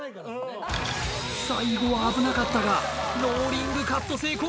最後は危なかったがローリングカット成功！